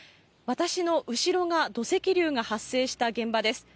私の後ろが土石流が発生した現場です。